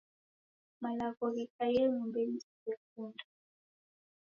Malagho ghekai nyumbenyi siw'ekunda.